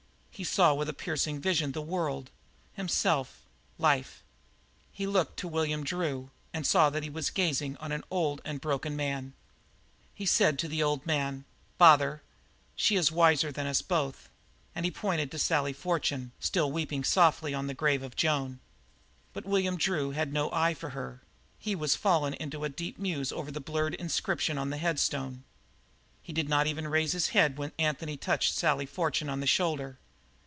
He saw with a piercing vision the world, himself, life. He looked to William Drew and saw that he was gazing on an old and broken man. He said to the old man: "Father, she is wiser than us both." And he pointed to Sally Fortune, still weeping softly on the grave of Joan. But William Drew had no eye for her; he was fallen into a deep muse over the blurred inscription on the headstone. He did not even raise his head when Anthony touched Sally Fortune on the shoulder.